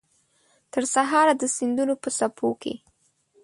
ترسهاره د سیندونو په څپو کې